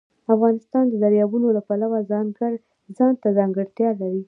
افغانستان د دریابونه د پلوه ځانته ځانګړتیا لري.